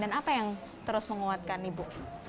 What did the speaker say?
dan apa yang terus menguatkan ibu